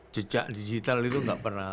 jejak digital itu nggak pernah